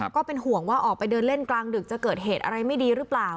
ก็เป็นห่วงว่าออกไปเดินเล่นกลางดึกจะเกิดเหตุอะไรไม่ดีหรือเปล่า